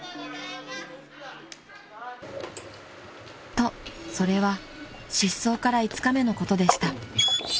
［とそれは失踪から５日目のことでした］